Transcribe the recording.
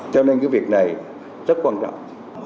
theo nên cái việc này rất quan trọng